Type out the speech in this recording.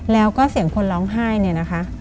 แล้วก็เสียงคนร้องไห้เนี่ยนะคะ